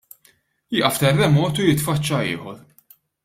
Jieqaf terremot u jitfaċċa ieħor!